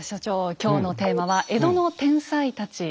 今日のテーマは「江戸の天才たち」。